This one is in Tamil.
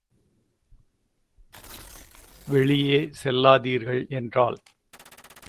வெளியே சொல்லாதீர்கள் என்றாள்.